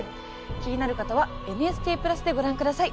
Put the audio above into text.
気になる方は「ＮＨＫプラス」でご覧下さい。